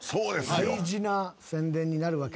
大事な宣伝になるわけだ。